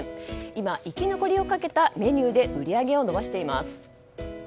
今、生き残りをかけたメニューで売り上げを伸ばしています。